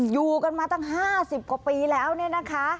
อยู่กันมาตั้ง๕๐กว่าปีแล้วเนี่ยนะคะ